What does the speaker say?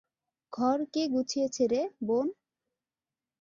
ঘর কে গুছিয়েছে রে, বোন?